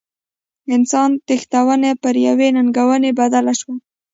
انسان تښتونه پر یوې ننګونې بدله شوه.